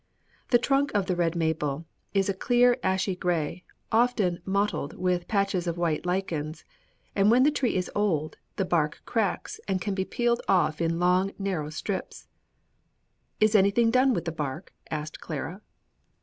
The trunk of the red maple is a clear ashy gray, often mottled with patches of white lichens; and when the tree is old, the bark cracks and can be peeled off in long, narrow strips." "Is anything done with the bark?" asked Clara.